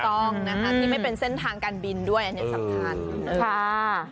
ที่ไม่เป็นเส้นทางการบินด้วยอันนี้สำคัญ